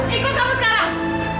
ikut kamu sekarang